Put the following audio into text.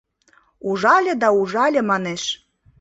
Ужале да ужале, манеш.